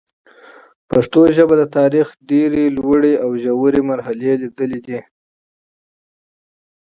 پښتو ژبه د تاریخ ډېري لوړي او ژوري مرحلې لیدلي دي.